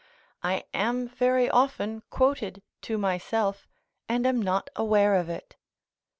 I am very often quoted to myself, and am not aware of it.